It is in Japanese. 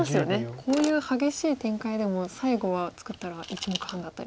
こういう激しい展開でも最後は作ったら１目半だったり。